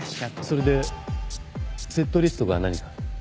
それでセットリストが何か？